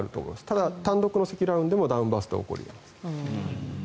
ただ、単独の積乱雲でもダウンバーストは起こり得ます。